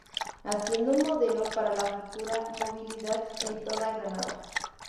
haciendo un modelo para la futura movilidad en toda Granada